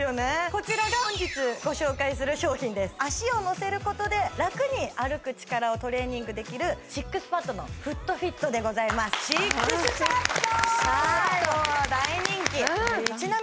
こちらが本日ご紹介する商品です足をのせることでラクに歩く力をトレーニングできるＳＩＸＰＡＤのＦｏｏｔＦｉｔでございますＳＩＸＰＡＤ！